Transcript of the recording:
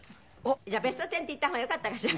『ザ・ベストテン』って言った方がよかったかしら。